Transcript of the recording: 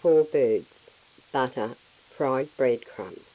3 or 4 birds, butter, fried bread crumbs.